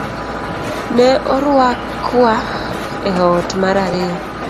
Ne orwakwa e ot mar ariyo